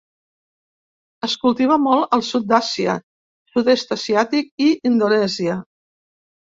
Es cultiva molt al sud d'Àsia, sud-est asiàtic i Indonèsia.